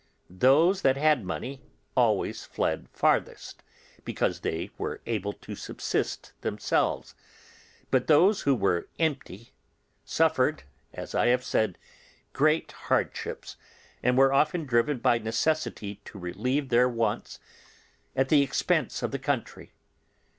Those that had money always fled farthest, because they were able to subsist themselves; but those who were empty suffered, as I have said, great hardships, and were often driven by necessity to relieve their wants at the expense of the country.